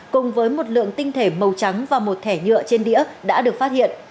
cùng với một lượng tinh thể màu trắng và một thẻ nhựa trên đĩa đã được phát hiện